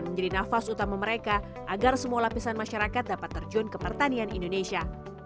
menjadi nafas utama mereka agar semua lapisan masyarakat dapat terjun ke pertanian indonesia